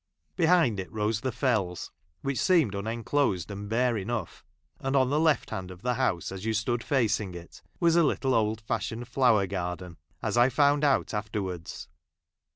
Behind it rose the Fells, which seemed unenclosed and bare enough ; and bn the left hand of the house as you stood facing it, was a little old fashioned flower garden, as I found out after¬ wards.